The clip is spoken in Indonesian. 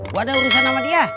gue ada urusan sama dia